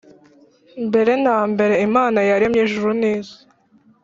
Mbere na mbere Imana yaremye ijuru n isi